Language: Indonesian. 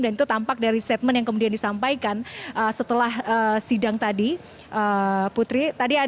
dan itu tampak dari statement yang kemudian disampaikan setelah sidang tadi putri